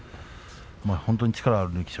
本当に力がある力士